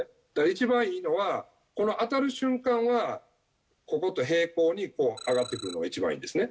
一番いいのは、この当たる瞬間は、ここと平行に、こう上がってくるのが一番いいんですね。